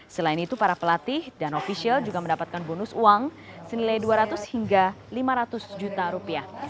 selain itu para pelatih dan ofisial juga mendapatkan bonus uang senilai dua ratus hingga lima ratus juta rupiah